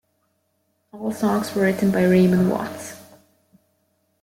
All songs were written by Raymond Watts.